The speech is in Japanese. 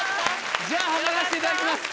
じゃあ測らせていただきます